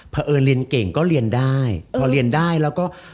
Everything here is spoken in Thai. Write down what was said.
เพราะเอิญเรียนเก่งก็เรียนได้พอเรียนได้แล้วก็